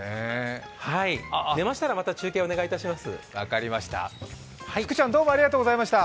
寝ましたらまた中継をお願いします。